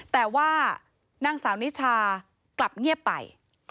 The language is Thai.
แต่ว่านางสาวนิชากลับเงียบไป